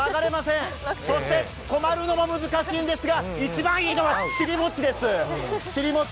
そして、止まるのも難しいんですが一番いいのは尻もちです。